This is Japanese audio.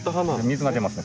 水が出ますね